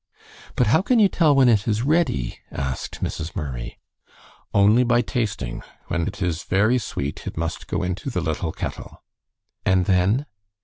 "But how can you tell when it is ready?" asked Mrs. Murray. "Only by tasting. When it is very sweet it must go into the little kettle." "And then?"